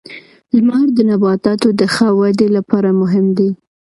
• لمر د نباتاتو د ښه ودې لپاره مهم دی.